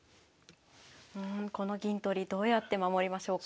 うんこの銀取りどうやって守りましょうか。